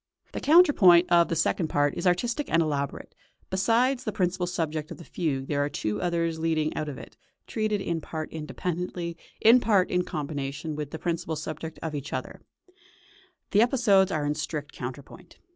The counterpoint of the second part is artistic and elaborate; besides the principal subject of the fugue there are two others leading out of it, treated in part independently, in part in combination with the principal subject and each other; the episodes are in strict counterpoint.